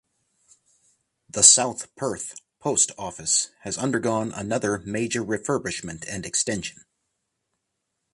The South Perth Post Office has undergone another major refurbishment and extension.